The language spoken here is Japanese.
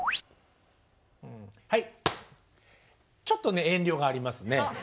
はいちょっとね遠慮がありますね。